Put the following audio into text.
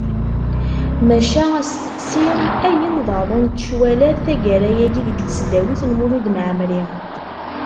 Maca asteqsi: Ayen ḍarrunt cwalat, taggara-agi, deg tesdawit n Mulud Mɛemmri?